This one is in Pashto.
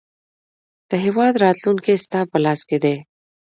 د هیواد راتلونکی ستا په لاس کې دی.